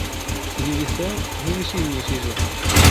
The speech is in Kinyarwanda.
Ibi bisa nkibishimishije.